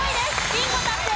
ビンゴ達成。